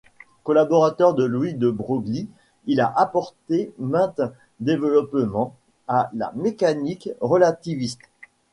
Collaborateur de Louis de Broglie, il a apporté maints développements à la mécanique relativiste.